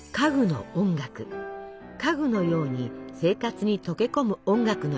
家具のように生活に溶け込む音楽の演奏でした。